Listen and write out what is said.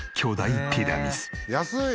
安い！